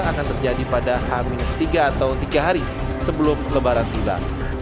akan terjadi pada h tiga atau tiga hari sebelum lebaran tiba